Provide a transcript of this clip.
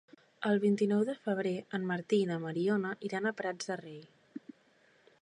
El vint-i-nou de febrer en Martí i na Mariona iran als Prats de Rei.